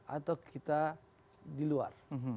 atau kita di luar